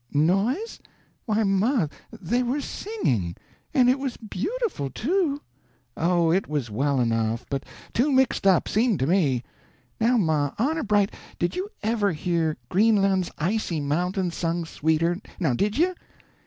"Noise? Why, ma, they were singing! And it was beautiful, too." "Oh, it was well enough, but too mixed up, seemed to me." "Now, ma, honor bright, did you ever hear 'Greenland's Icy Mountains' sung sweeter now did you?"